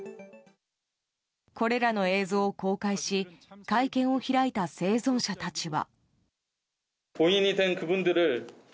これらの映像を公開し会見を開いた生存者たちは。